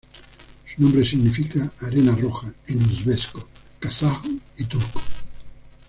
Su nombre significa "arena roja" en uzbeko, kazajo y turco.